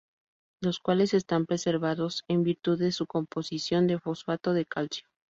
Los cuales están preservados en virtud de su composición de fosfato de calcio.